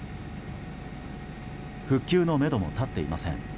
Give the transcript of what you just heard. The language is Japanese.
復旧のめども立っていません。